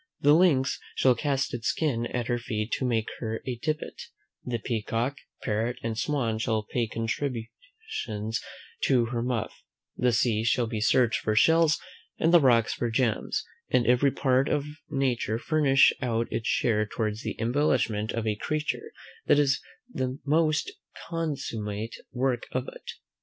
The lynx shall cast its skin at her feet to make her a tippet; the peacock, parrot, and swan shall pay contributions to her muff; the sea shall be searched for shells, and the rocks for gems; and every part of nature furnish out its share towards the embellishment of a creature that is the most consummate work of it.